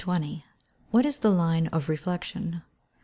_What is the line of reflection?